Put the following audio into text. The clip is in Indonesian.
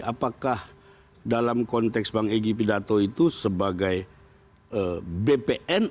apakah dalam konteks bang egy pidato itu sebagai bpn